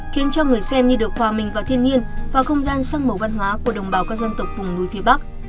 khiến cho người xem như được hòa mình vào thiên nhiên và không gian sắc màu văn hóa của đồng bào các dân tộc vùng núi phía bắc